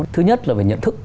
thứ nhất là nhận thức